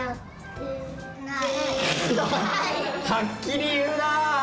はっきり言うなぁ。